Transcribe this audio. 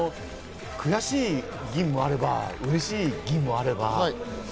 悔しい銀もあれば、うれしい銀もあれば。